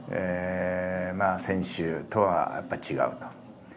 「選手とはやっぱり違う」と。